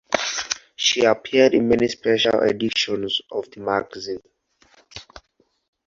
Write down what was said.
She appeared in many Special Editions of the magazine.